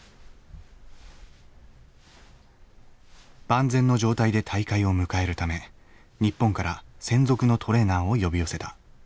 万全の状態で大会を迎えるため日本から専属のトレーナーを呼び寄せた。